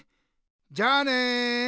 じゃあね！